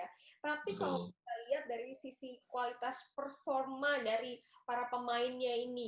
tapi kalau kita lihat dari sisi kualitas performa dari para pemainnya ini